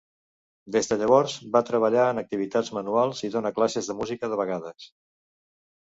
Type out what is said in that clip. Des de llavors, va treballar en activitats manuals i donà classes de música de vegades.